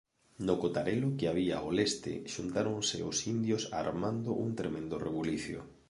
No cotarelo que había ó leste, xuntáronse os indios armando un tremendo rebulicio.